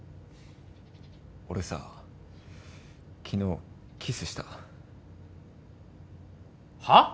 俺さ昨日キスしたはっ？